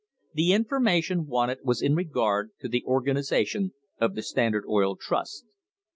The information wanted was in regard to the organisation of the Standard Oil Trust.